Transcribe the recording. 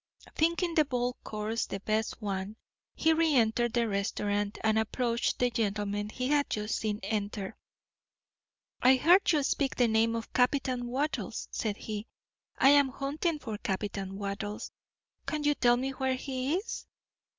Thinking the bold course the best one, he re entered the restaurant and approached the gentlemen he had just seen enter. "I heard you speak the name of Captain Wattles," said he. "I am hunting for Captain Wattles. Can you tell me where he is?"